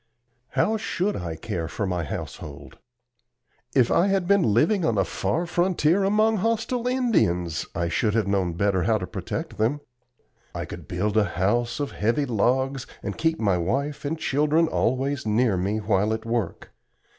How should I care for my household? If I had been living on a far frontier among hostile Indians I should have known better how to protect them. I could build a house of heavy logs and keep my wife and children always near me while at work.